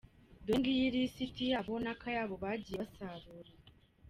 Dore ngiyi lisiti yabo nakayabo bagiye basarura:.